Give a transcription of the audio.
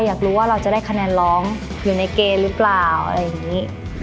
อยากรู้ว่าเราจะได้คะแนนร้องอยู่ในเกณฑ์หรือเปล่าอะไรอย่างนี้